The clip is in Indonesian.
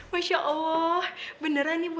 masya allah beneran nih bu